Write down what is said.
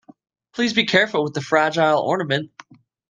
Please be careful with the fragile ornament.